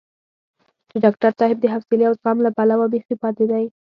چې ډاکټر صاحب د حوصلې او زغم له پلوه بېخي پاتې دی.